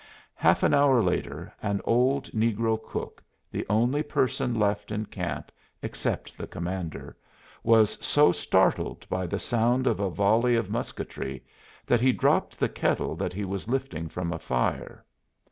Half an hour later an old negro cook, the only person left in camp except the commander, was so startled by the sound of a volley of musketry that he dropped the kettle that he was lifting from a fire.